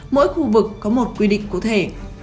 mỗi khu vực có một quy định cụ thể